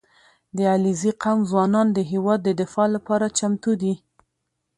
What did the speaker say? • د علیزي قوم ځوانان د هېواد د دفاع لپاره چمتو دي.